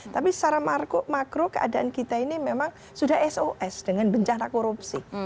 tapi secara makro keadaan kita ini memang sudah sos dengan bencana korupsi